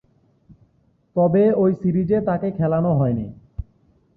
তবে ঐ সিরিজে তাকে খেলানো হয়নি।